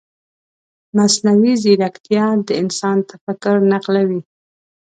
مصنوعي ځیرکتیا د انسان تفکر نقلوي.